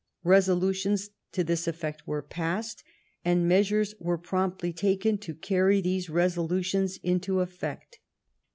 Resolutions to this effect were passed, and measures were promptly taken to carry those resolutions into effect.